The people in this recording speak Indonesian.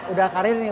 udah karir nih